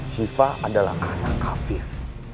sipa adalah anak afiq